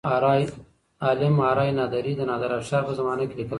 عالم آرای نادري د نادر افشار په زمانه کې لیکل شوی.